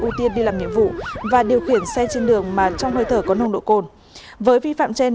ưu tiên đi làm nhiệm vụ và điều khiển xe trên đường mà trong hơi thở có nồng độ cồn với vi phạm trên